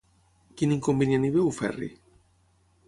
Quin inconvenient hi veu Ferri?